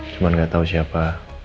cuma gak tau siapa